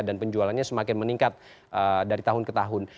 dan penjualannya semakin meningkat dari tahun ke tahun